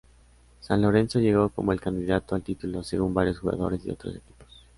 San Lorenzo llegó como el candidato al título según varios jugadores de otros equipos.